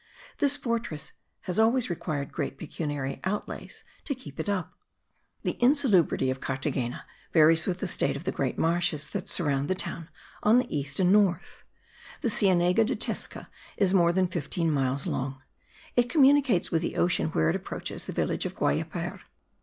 This fortress has always required great pecuniary outlays to keep it up. The insalubrity of Carthagena varies with the state of the great marshes that surround the town on the east and north. The Cienega de Tesca is more than fifteen miles long; it communicates with the ocean where it approaches the village of Guayeper.